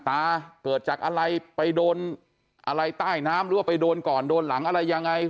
เกิดจากอะไรไปโดนอะไรใต้น้ำหรือว่าไปโดนก่อนโดนหลังอะไรยังไง